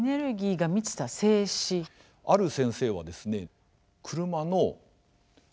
ある先生はですね